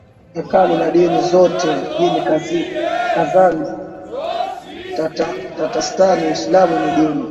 Hekalu la dini zote mjini Kazan Tatarstan Uislamu ni dini